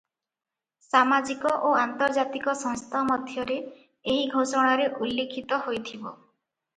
ସାମାଜିକ ଓ ଆନ୍ତର୍ଜାତିକ ସଂସ୍ଥା ମଧ୍ୟରେ ଏହି ଘୋଷଣାରେ ଉଲ୍ଲିଖିତ ହୋଇଥିବ ।